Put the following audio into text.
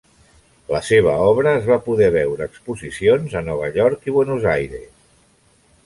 La seva obra es va poder veure a exposicions a Nova York i Buenos Aires.